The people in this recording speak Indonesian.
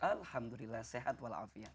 alhamdulillah sehat walafiat